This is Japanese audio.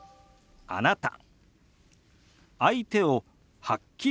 「あなた」。